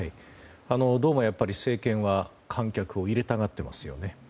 どうも政権は観客を入れたがってますよね。